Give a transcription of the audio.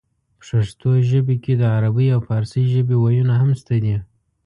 پښتو ژبې کې د عربۍ او پارسۍ ژبې وييونه هم شته دي